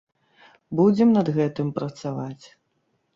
Будзем над гэтым працаваць.